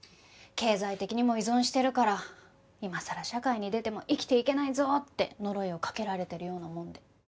経済的にも依存してるから今さら社会に出ても生きていけないぞって呪いをかけられてるようなもんで。